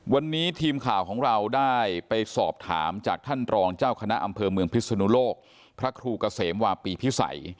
วันนี้ทีมข่าวของเราได้ไปสอบถามจากท่านรองเจ้าคณะอำเภอเมืองพิศนุโลกพระครูเกษมวาปีพิสัย